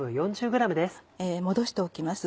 戻しておきます